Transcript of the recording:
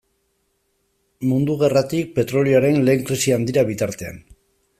Mundu Gerratik petrolioaren lehen krisi handira bitartean.